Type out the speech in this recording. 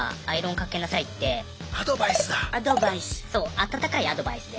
温かいアドバイスで。